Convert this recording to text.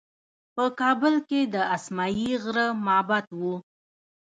په کابل کې د اسمايي غره معبد و